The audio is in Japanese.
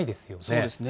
そうですね。